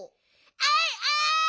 あいあい！